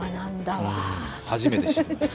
初めて知りました。